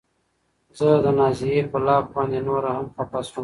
زه د نازيې په لافو باندې نوره هم خپه شوم.